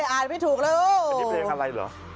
อ่านไม่ถูกเลยอันนี้เพลงอะไรเหรอ